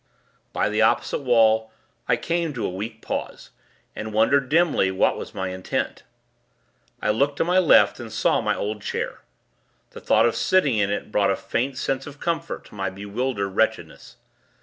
By the opposite wall, I came to a weak pause, and wondered, dimly, what was my intent. I looked to my left, and saw my old chair. The thought of sitting in it brought a faint sense of comfort to my bewildered wretchedness.